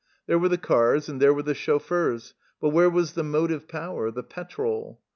There were the cars and there were the chauffeurs but where was the motive power the petrol ?